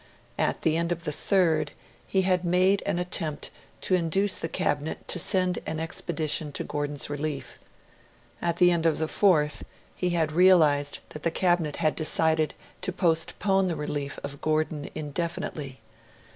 At the end of the third, he had made an attempt to induce the Cabinet to send an expedition to Gordon's relief. At the end of the fourth, he had realised that the Cabinet had decided to postpone the relief of Gordon indefinitely.